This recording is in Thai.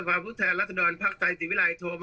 คุณผู้ชมครับคุณผู้ชมครับ